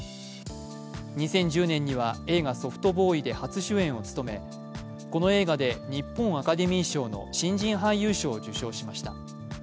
２０１０年には映画「ソフトボーイ」で初主演を務め、この映画で日本アカデミー賞の新人俳優賞を受賞しました。